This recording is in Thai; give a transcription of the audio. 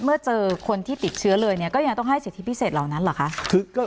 เมื่อเจอคนที่ติดเชื้อเลยก็ยังต้องให้เศรษฐีพิเศษเหล่านั้นหรือคะ